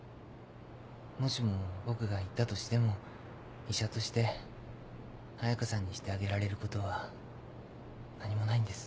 もしも僕が行ったとしても医者として彩佳さんにしてあげられることは何もないんです。